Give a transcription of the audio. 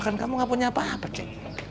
kan kamu gak punya apa apa